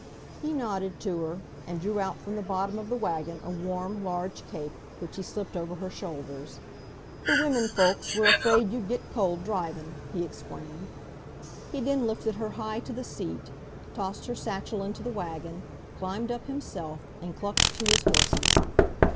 He nodded to her, and drew out from the bottom of the wagon a warm, large cape, which he slipped over her shoulders. "The women folks were afraid you'd git cold drivin'," he explained. He then lifted her high to the seat, tossed her satchel into the wagon, climbed up himself, and clucked to his horses.